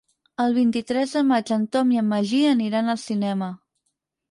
El vint-i-tres de maig en Tom i en Magí aniran al cinema.